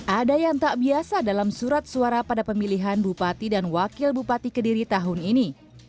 ada yang tak biasa dalam surat suara pada pemilihan bupati dan wakil bupati kediri tahun ini